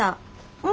うん。